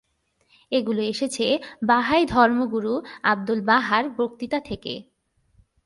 এগুলো এসেছে বাহাই ধর্মগুরু আবদুল-বাহা’র বক্তৃতা থেকে।